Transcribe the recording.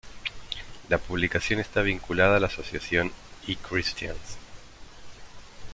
La publicación está vinculada a la asociación E-cristians.